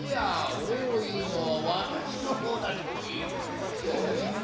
おれいをいうのはわたしのほうだトゲ。